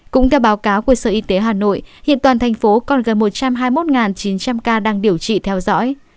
cũng theo báo cáo của sở y tế hà nội hiện toàn thành phố còn gần một trăm hai mươi một chín trăm linh ca đang điều trị theo dõi